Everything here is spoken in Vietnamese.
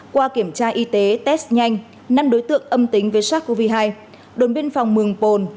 qua kiểm tra y tế test nhanh năm đối tượng âm tính với sars cov hai đồn biên phòng mường bồn